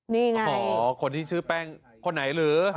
นี่ไงอ๋อคนที่ชื่อแป้งคนไหนหรือ